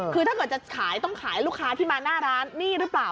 คือถ้าเกิดจะขายต้องขายลูกค้าที่มาหน้าร้านนี่หรือเปล่า